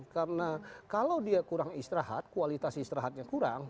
karena kalau dia kurang istirahat kualitas istirahatnya kurang